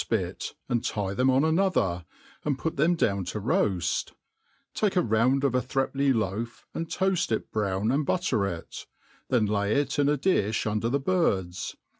ipit, and tie them on ariother, '^nd put ihem dowii to roaft ^ take a. round of a threepenny loaf, J^ndllQ»&.it brown and butter It ; then lay it in a difli under ^e biJrd&